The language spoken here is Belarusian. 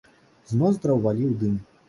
З ноздраў валіў дым.